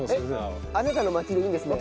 あなたの町でいいんですね？